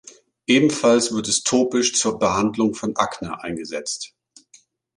Ebenfalls wird es topisch zur Behandlung von Akne eingesetzt.